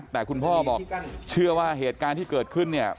แต่คุณพ่อบอกเชื่อว่าเหตุการณ์ที่เกิดขึ้นเนี่ย